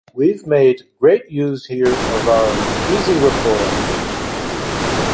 We've made great use here of our easy rapport.